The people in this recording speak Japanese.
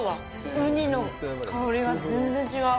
ウニの香りが全然違う。